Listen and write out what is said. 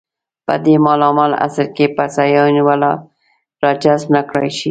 په دې مالامال عصر کې به سیاحین ولې راجذب نه کړای شي.